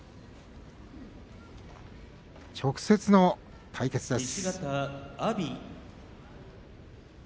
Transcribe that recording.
直接の対決です。